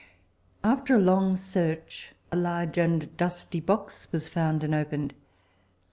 After a long search, a large and dusty box was found and opened.